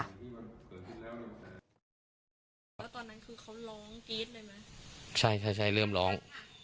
ตอนนั้นคือเขาร้องกี๊ดได้ไหมใช่ใช่ใช่เริ่มร้อง